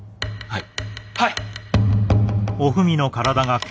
はい！